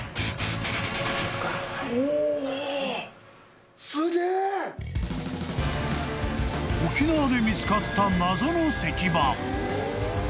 ［沖縄で見つかった謎の石板］